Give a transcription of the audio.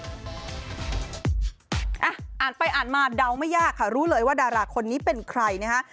อ่านไปอ่านมาเดาไม่ยากค่ะรู้เลยว่าดาราคนนี้เป็นใครนะฮะ